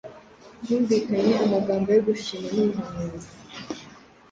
Humvikanye amagambo yo gushima n’ubuhanuzi.